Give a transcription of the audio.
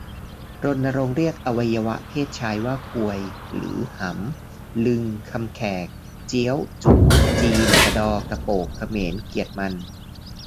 รณรงค์เรียกอวัยวะเพศชายว่า "ควย" หรือ "หำ" ลึงค์ คำแขก; เจี๊ยว จู๋ จีน; กะดอ กะโปก เขมร-เกลียดมัน